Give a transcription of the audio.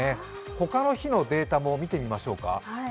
他の日のデータも見てみましょうか。